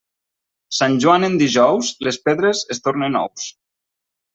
Sant Joan en dijous, les pedres es tornen ous.